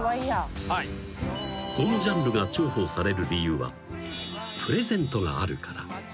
［このジャンルが重宝される理由はプレゼントがあるから］